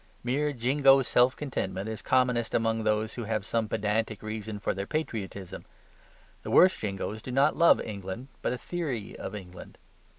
Mere jingo self contentment is commonest among those who have some pedantic reason for their patriotism. The worst jingoes do not love England, but a theory of England.